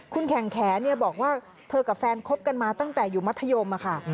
คุณแข่งแขนบอกว่าเธอกับแฟนคบกันมาตั้งแต่อยู่มัธยมค่ะ